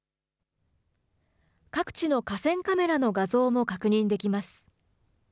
各地の河川カメラの画像も確認できます。